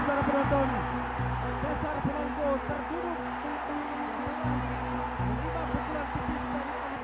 cesar polanco terjunuk menunggu lima pukulan